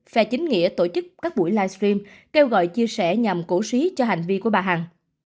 phà chính nghĩa tổ chức các buổi livestream kêu gọi chia sẻ nhằm cổ suý cho hành vi của bà hằng